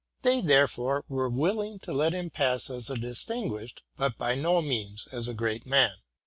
They, therefore, were willing to let him pass as a distinguished, but by no means asa great, man.